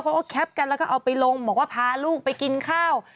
เขาก็แคปกันแล้วก็เอาไปลงบอกว่าพาลูกไปกินข้าว